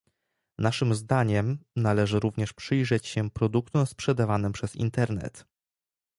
Naszym zdaniem należy również przyjrzeć się produktom sprzedawanym przez Internet